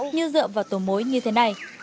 như dựa vào tổ mối như thế này